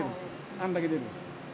あれだけ出るの。